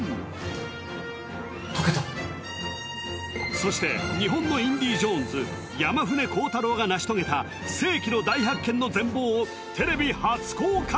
そして日本のインディ・ジョーンズ山舩晃太郎が成し遂げた世紀の大発見の全貌をテレビ初公開